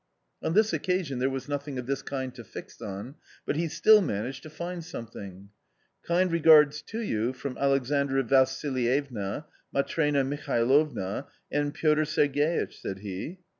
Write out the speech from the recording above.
On this occasion there was nothing of this kind to fix on, but he still managed to find something. " Kind regards to you from Alexandra Vassilievna, Matrena Mihailovna and Piotr Sergeitch," said he.